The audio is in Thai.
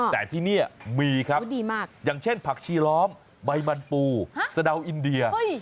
แต่ที่นี่มีครับอย่างเช่นผักชีล้อมใบมันปูสะดาวอินเดีย